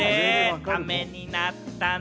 ためになったね。